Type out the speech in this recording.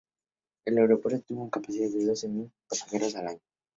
El aeropuerto tuvo una capacidad de doce millones de pasajeros al año.